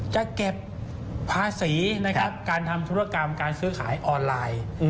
จะเก็บภาษีนะครับการทำธุรกรรมการซื้อขายออนไลน์